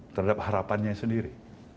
terhadap harapannya sendiri